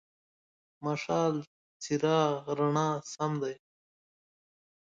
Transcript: مشال: څراغ، رڼا سم دی.